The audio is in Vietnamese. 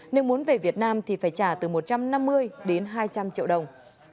nếu muốn về việt nam thì phải trả từ một trăm năm mươi đến hai trăm linh triệu đồng